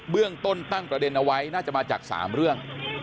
เรื่องต้นตั้งประเด็นเอาไว้น่าจะมาจาก๓เรื่อง